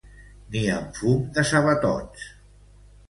Ni amb fum de sabatots.